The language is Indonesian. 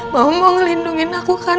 mau ngelindungin aku kan